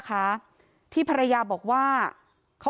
ก็คุณตามมาอยู่กรงกีฬาดครับ